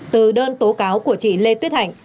từ đơn tố cáo của chị lê tuyết hạnh